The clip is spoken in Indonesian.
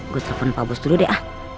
gue telepon pak bos dulu deh